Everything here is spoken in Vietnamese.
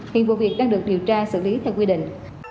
hiện vụ việc đang được điều tra xử lý theo quy định